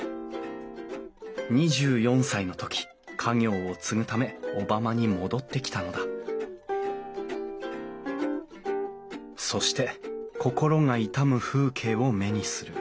２４歳の時家業を継ぐため小浜に戻ってきたのだそして心が痛む風景を目にする。